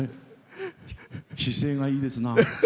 姿勢がいいですな。